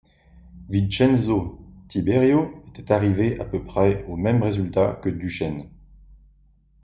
Vincenzo Tiberio était arrivé à peu près aux mêmes résultats que Duchesne.